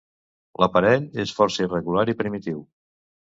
L'aparell és força irregular i primitiu.